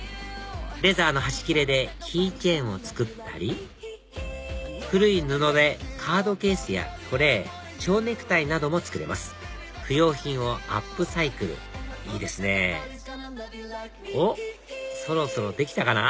レザーの端切れでキーチェーンを作ったり古い布でカードケースやトレーちょうネクタイなども作れます不用品をアップサイクルいいですねぇおっそろそろできたかな？